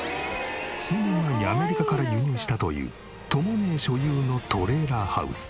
数年前にアメリカから輸入したというとも姉所有のトレーラーハウス。